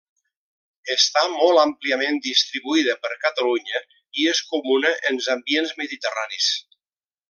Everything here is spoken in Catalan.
Està molt àmpliament distribuïda per Catalunya i és comuna en ambients mediterranis.